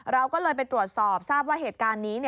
เราก็เลยไปตรวจสอบทราบว่าเหตุการณ์นี้